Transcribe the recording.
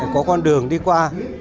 có con đường đi qua